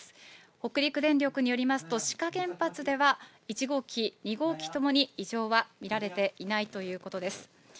北陸電力によりますと、志賀原発では、１号機、２号機ともに、異常は見られていないということです。